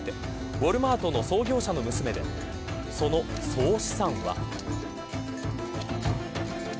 ウォルマートの創業者の娘で、その総資産は。